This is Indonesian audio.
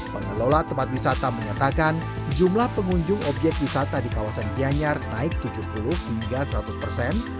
pengelola tempat wisata menyatakan jumlah pengunjung objek wisata di kawasan gianyar naik tujuh puluh hingga seratus persen